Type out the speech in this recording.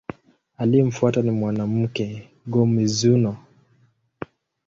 Aliyemfuata ni mwana wake, Go-Mizunoo.